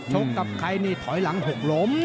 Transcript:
กับใครนี่ถอยหลังหกล้ม